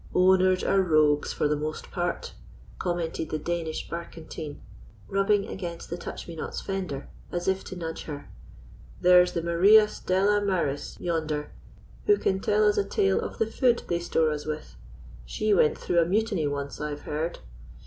"Owners are rogues, for the most part," commented the Danish barquentine, rubbing against the Touch me nots fender as if to nudge her. "There's the Maria Stella Maris yonder can tell us a tale of the food they store us with. She went through a mutiny once, I've heard."